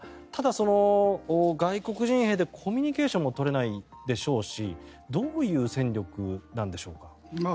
ただ、外国人兵でコミュニケーションも取れないでしょうしどういう戦力なんでしょうか？